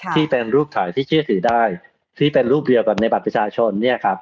ที่เป็นรูปถ่ายที่เชื่อถือได้ที่เป็นรูปเดียวกับในบัตรประชาชนเนี่ยครับ